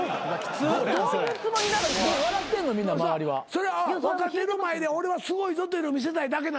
それ若手の前で俺はすごいぞというのを見せたいだけなのか？